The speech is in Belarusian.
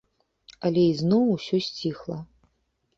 Але ізноў усё сціхла.